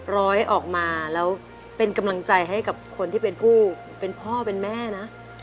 ร้อยออกมาแล้วเป็นกำลังใจให้กับคนที่เป็นผู้เป็นพ่อเป็นแม่นะ